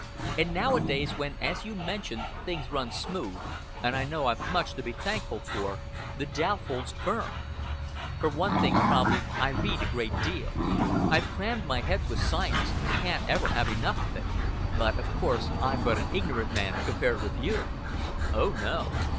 And nowadays, when, as you mention, things run smooth and I know I've much to be thankful for, the doubt holds firm. For one thing prob'bly, I read a great deal; I've crammed my head with science; can't ever have enough of it. But, of course, I'm but an ignorant man compared with you." "Oh, no."